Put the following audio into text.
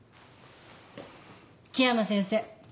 樹山先生。